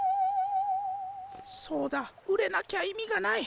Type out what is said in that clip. そうだ売れなきゃ意味がない。